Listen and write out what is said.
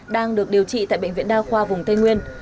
đang được điều trị tại bệnh viện đa khoa vùng tây nguyên